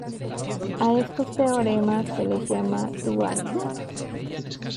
A estos teoremas se les llama "duales".